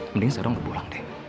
mending sekarang gue pulang deh